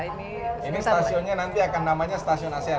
ini stasiunnya nanti akan namanya stasiun asean